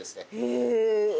へえ。